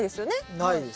ないです。